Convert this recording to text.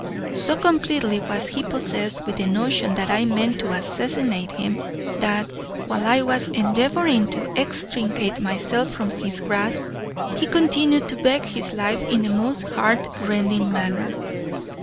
So completely was he possessed with the notion that I meant to assassinate him, that while I was endeavoring to extricate myself from his grasp, he continued to beg his life in the most heart rending manner.